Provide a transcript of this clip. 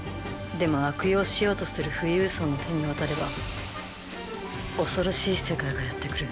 でも悪用しようとする富裕層の手に渡れば恐ろしい世界がやってくる。